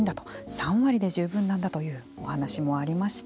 ３割で十分なんだというお話もありました。